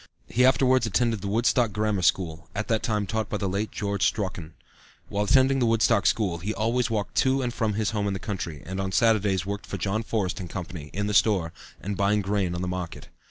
He afterwards attended the Woodstock Grammar School, at that time taught by the late George Strauchan. While attending the Woodstock school, he always walked to and from his home in the country, and on Saturdays worked for John Forrest & Co., in the store, and buying grain on the market.